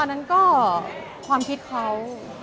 อันนั้นก็ความคิดเขา